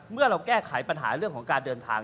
เมื่อเราแก้ไขปัญหาเรื่องของการเดินทาง